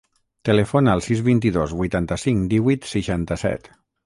Telefona al sis, vint-i-dos, vuitanta-cinc, divuit, seixanta-set.